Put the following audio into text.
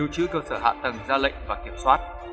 cơ sở hạ tầng ra lệnh và kiểm soát